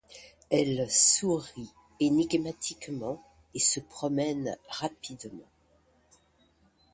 Elle sourit énigmatiquement et se promène rapidement.